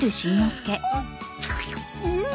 うん！